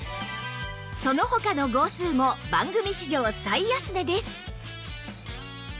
その他の号数も番組史上最安値です